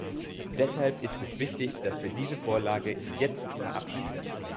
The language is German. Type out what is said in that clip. Deshalb ist es wichtig, dass wir diese Vorlage jetzt verabschieden.